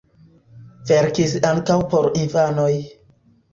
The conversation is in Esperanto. Verkis ankaŭ por infanoj.